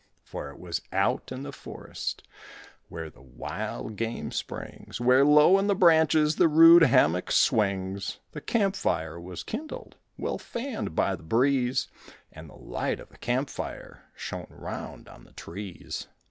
For it was out in the forest Where the wild game springs, Where low in the branches The rude hammock swings; The campfire was kindled, Well fanned by the breeze, And the light of the campfire Shone round on the trees.